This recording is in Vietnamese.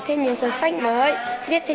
thêm những cuốn sách mới biết thêm